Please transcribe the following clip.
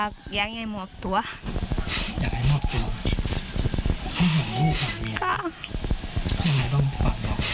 ก็อยากให้มอบตัว